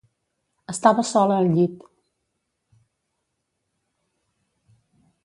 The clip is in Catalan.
Estava sola al llit.